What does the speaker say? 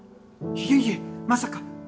いえいえまさか！